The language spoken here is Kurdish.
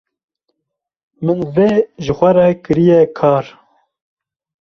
min vê ji xwe re kirîye kar.